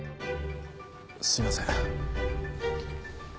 すいません。